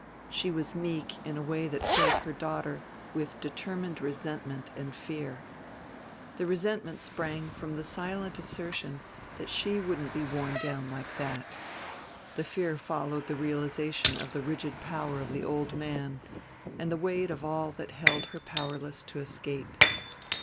She was meek in a way that filled her daughter with determined resentment and fear. The resentment sprang from the silent assertion that she wouldn't be worn down like that; the fear followed the realization of the rigid power of the old man and the weight of all that held her powerless to escape.